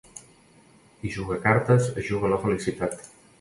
Qui juga a cartes es juga la felicitat.